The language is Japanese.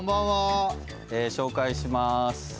紹介します。